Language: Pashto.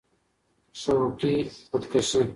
شوقي خود کشي